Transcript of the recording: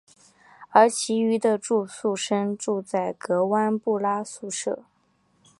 而其余的住宿生住在格湾布拉宿舍。